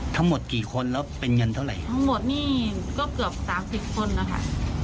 ทั้งหมดกี่คนแล้วเป็นเงินเท่าไหร่ทั้งหมดนี่ก็เกือบสามสิบคนนะคะ